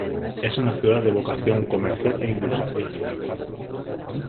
Es una ciudad de vocación comercial e industrial.